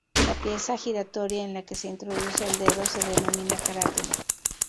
La pieza giratoria en la que se introduce el dedo se denomina carátula.